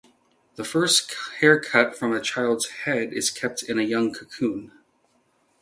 The first hair cut from a child's head is kept in a young coconut.